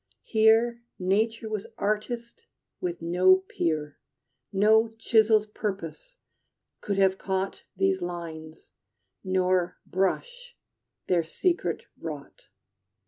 Here Nature was artist with no peer. No chisel's purpose could have caught These lines, nor brush their secret wrought.